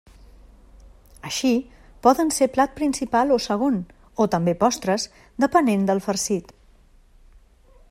Així, poden ser plat principal o segon, o també postres, depenent del farcit.